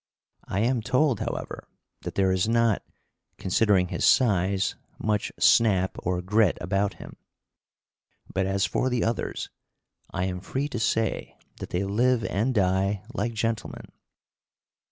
I am told, however, that there is not, considering his size, much snap or grit about him; but as for the others, I am free to say that they live and die like gentlemen.